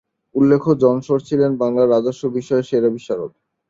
উল্লেখ্য, John Shore ছিলেন বাংলার রাজস্ব বিষয়ে সেরা বিশারদ।